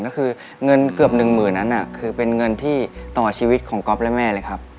ก็คือเงินเกือบหนึ่งหมื่นนั้นคือเป็นเงินที่ต่อชีวิตของก๊อฟและแม่เลยครับ